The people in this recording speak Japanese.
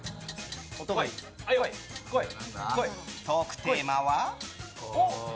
トークテーマは。